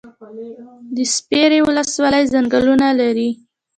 د سپیرې ولسوالۍ ځنګلونه لري